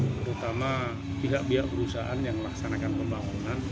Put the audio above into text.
terutama pihak pihak perusahaan yang melaksanakan pembangunan